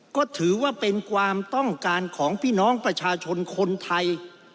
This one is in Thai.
ก็ถือว่าเป็นความต้องการของพี่น้องประชาชนคนไทย